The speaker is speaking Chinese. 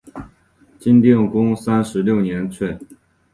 晋定公三十六年卒。